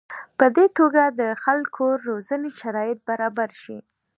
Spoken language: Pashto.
په دې توګه د خلکو روزنې شرایط برابر شي.